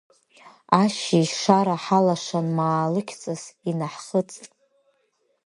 Ашьыжь шара ҳалашан, маалықьҵас инаҳхыҵт.